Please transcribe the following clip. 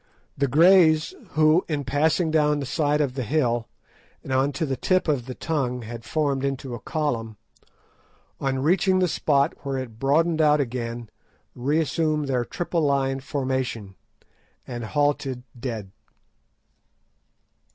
The Greys, who, in passing down the side of the hill and on to the tip of the tongue, had formed into a column, on reaching the spot where it broadened out again, reassumed their triple line formation, and halted dead.